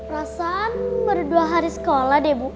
perasaan baru dua hari sekolah deh bu